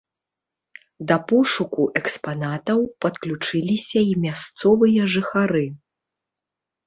Да пошуку экспанатаў падключыліся і мясцовыя жыхары.